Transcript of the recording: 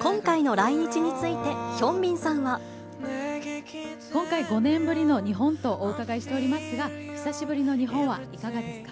今回の来日についてヒョンビ今回、５年ぶりの日本とお伺いしておりますが、久しぶりの日本はいかがですか？